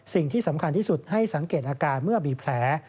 สิ่งที่สำคัญที่สุดให้สังเกตอาการเมื่อมีแผล